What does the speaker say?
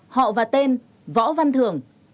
họ và tên võ văn thưởng